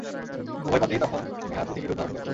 উভয় পদই তখন নেহাৎ প্রতীকী রূপ ধারণ করে।